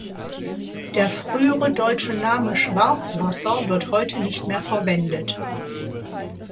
Der frühere deutsche Name "Schwarzwasser" wird heute nicht mehr verwendet.